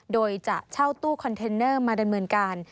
โดยจะเช่าตู้คอนเทนเนอร์มาดำเนินการ